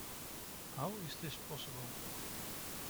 How is this possible?